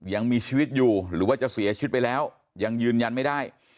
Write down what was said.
ยังมีชีวิตอยู่หรือว่าจะเสียชีวิตไปแล้วยังยืนยันไม่ได้